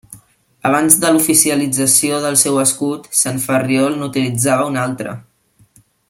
Abans de l'oficialització del seu escut, Sant Ferriol n'utilitzava un altre.